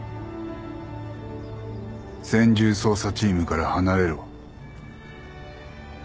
専従捜査チームから離れろ。